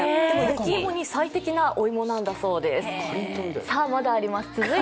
焼き芋に最適なお芋なんだそうです。